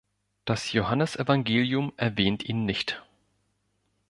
Das Johannes-Evangelium erwähnt ihn nicht.